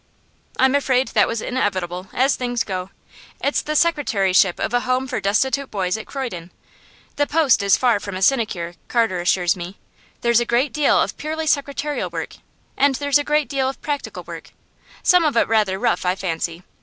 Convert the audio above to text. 'I'm afraid that was inevitable, as things go. It's the secretaryship of a home for destitute boys at Croydon. The post is far from a sinecure, Carter assures me. There's a great deal of purely secretarial work, and there's a great deal of practical work, some of it rather rough, I fancy.